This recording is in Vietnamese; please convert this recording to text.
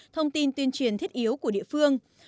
thông tin tuyên truyền thiết yếu của địa phương